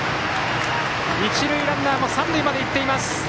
一塁ランナーも三塁まで行っています。